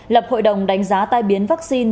lập hội đồng đánh giá tai biến vaccine